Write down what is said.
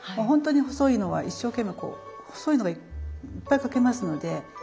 ほんとに細いのは一生懸命こう細いのがいっぱい描けますので。